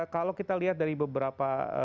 kalau kita lihat dari beberapa